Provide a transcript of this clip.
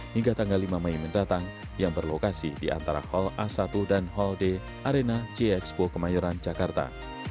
hingga tanggal lima mei mendatang yang berlokasi di antara hall a satu dan hall d arena g expo kemayoran jakarta